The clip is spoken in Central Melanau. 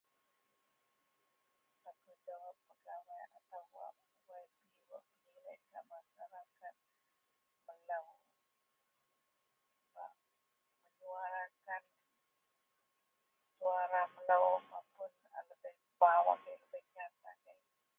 Bak kudok gak jawai YB a penilek [unintelligible] Melou. Bak menyuarakan suara melou mapun a lebeh bau agei nyat agei